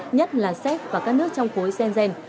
nhất là xét và các nước trong khối senzen